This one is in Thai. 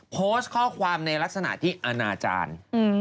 โพสต์ข้อความในลักษณะที่อนาจารย์